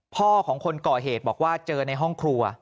พ่อของคนก่อเหตุบอกว่าเจอในห้องครัว